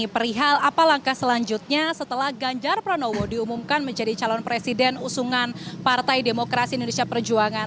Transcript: perihal apa langkah selanjutnya setelah ganjar pranowo diumumkan menjadi calon presiden usungan partai demokrasi indonesia perjuangan